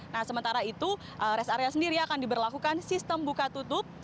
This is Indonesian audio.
nah sementara itu rest area sendiri akan diberlakukan sistem buka tutup